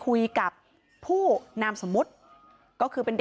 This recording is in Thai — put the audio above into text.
กลุ่มวัยรุ่นฝั่งพระแดง